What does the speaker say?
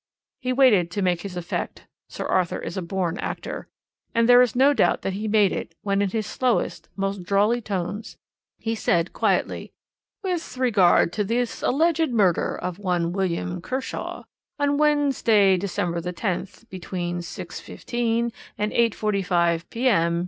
He waited to make his effect Sir Arthur is a born actor and there is no doubt that he made it, when in his slowest, most drawly tones he said quietly; "'With regard to this alleged murder of one William Kershaw, on Wednesday, December the 10th, between 6.15 and 8.45 p.m.